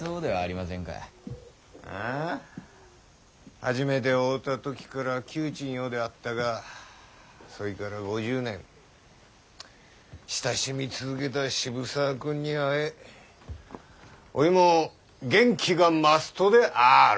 初めて会うた時から旧知んようであったがそいから５０年親しみ続けた渋沢君に会えおいも元気が増すとである。